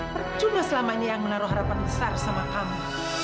percuma selama ini yang menaruh harapan besar sama kamu